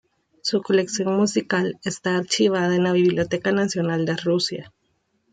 Su colección musical está archivada en la Biblioteca Nacional de Rusia.